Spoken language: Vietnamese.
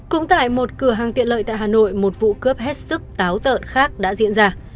cũng tại một cửa hàng tiện lợi tại hà nội một vụ cướp hết sức táo tợn khác đã diễn ra